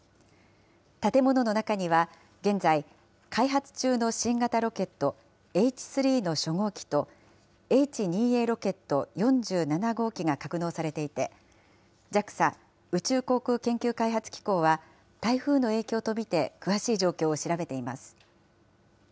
建物の中には、現在、開発中の新型ロケットＨ３の初号機と、Ｈ２Ａロケット４７号機が格納されていて、ＪＡＸＡ・宇宙航空研究開発機構は、台風の影響と見て、詳しい状況を調べています。